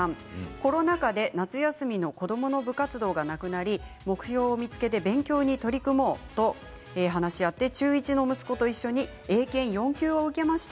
コロナ禍で夏休みの子どもの部活動がなくなり目標を見つけて勉強に取り組もうと話し合って中１の息子と一緒に英検４級を受けました。